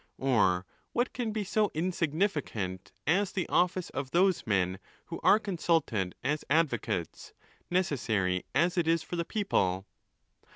or what can be so insignificant ag the office of those men who are consulted as advocates, neces sary as it is for the people?